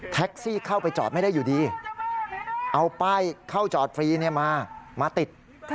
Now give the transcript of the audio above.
เข้าไปจอดไม่ได้อยู่ดีเอาป้ายเข้าจอดฟรีมามาติด